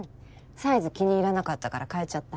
サイズ気に入らなかったから替えちゃった。